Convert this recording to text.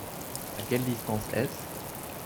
À quelle distance est-ce ?